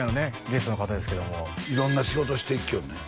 ゲストの方ですけども色んな仕事していきよるね